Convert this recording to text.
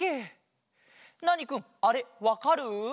ナーニくんあれわかる？